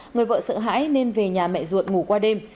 người vợ sợ hãi nên về nhà mẹ ruột ngủ qua đêm